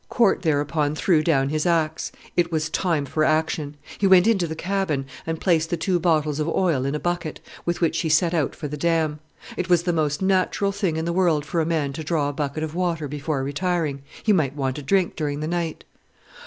Corte, thereupon, threw down his axe. It was time for action. He went into the cabin, and placed the two bottles of oil in a bucket, with which he set out for the dam. It was the most natural thing in the world for a man to draw a bucket of water before retiring: he might want a drink during the night.